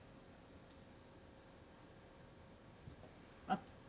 あっ。